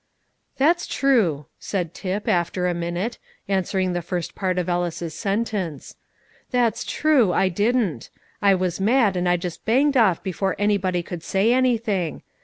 "That's true," said Tip, after a minute, answering the first part of Ellis's sentence; "that's true, I didn't. I was mad, and I just banged off before anybody could say anything.